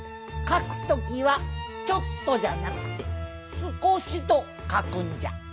かくときは「ちょっと」じゃなくて「すこし」とかくんじゃ。